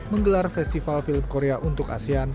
menggelar festival film korea untuk asean